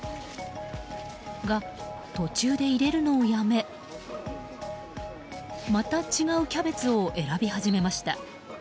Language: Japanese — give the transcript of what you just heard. が、途中で入れるのをやめまた違うキャベツを選び始めました。